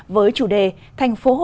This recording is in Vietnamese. với chủ đề thành phố hồ chí minh